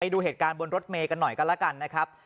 ดูเหตุการณ์บนรถเมย์กันหน่อยกันแล้วกันนะครับ